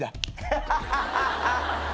ハハハハ！